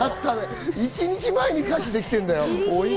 １日前に歌詞できてるんだよ。